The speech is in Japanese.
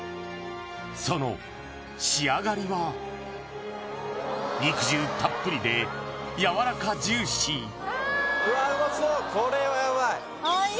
その仕上がりは肉汁たっぷりでやわらかジューシーうわうまそう！